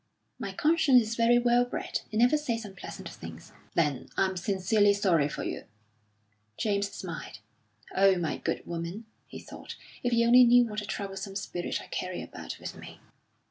"My conscience is very well bred. It never says unpleasant things." "Then I'm sincerely sorry for you." James smiled. "Oh, my good woman," he thought, "if you only knew what a troublesome spirit I carry about with me!"